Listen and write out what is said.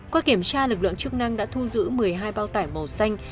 qua kiểm tra lực lượng chức năng đã thu giữ một mươi hai bao tải màu xanh